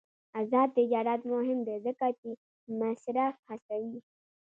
آزاد تجارت مهم دی ځکه چې مصرف هڅوي.